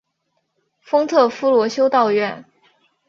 丰特夫罗修道院。